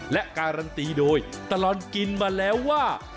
และการันตีโดยตลอดกินมาแล้วว่า